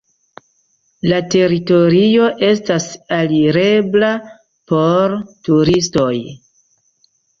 La teritorio estas alirebla por turistoj.